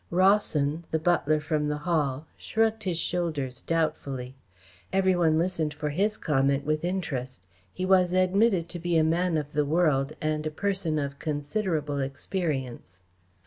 Rawson, the butler from the Hall, shrugged his shoulders doubtfully. Every one listened for his comment with interest. He was admitted to be a man of the world and a person of considerable experience.